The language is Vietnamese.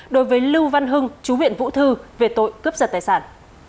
đối với lưu văn hưng chú huyện vũ thư về tội cướp giật tài sản